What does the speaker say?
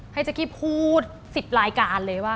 เจ๊กกี้พูด๑๐รายการเลยว่า